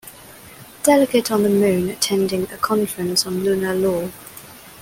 Delegate on the moon, attending a conference on Lunar Law.